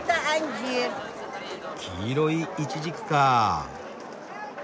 黄色いイチジクかあ。